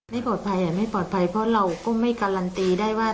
ไม่ปลอดภัยไม่ปลอดภัยเพราะเราก็ไม่การันตีได้ว่า